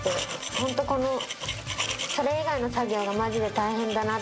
ホントそれ以外の作業がマジで大変だなと思う。